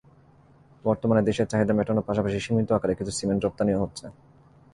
বর্তমানে দেশের চাহিদা মেটানোর পাশাপাশি সীমিত আকারে কিছু সিমেন্ট রপ্তানিও হচ্ছে।